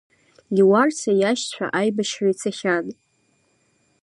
Леуарса иашьцәа аибашьра ицахьан.